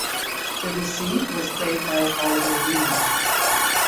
Debussy was played by Oliver Reed.